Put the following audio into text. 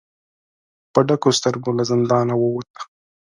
په ډکو سترګو له زندانه ووت.